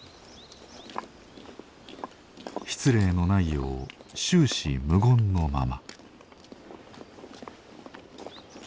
失礼のないよう終始無言のまま。